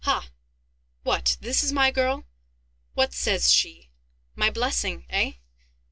"Ha? What, this is my girl? What says she? My blessing, eh?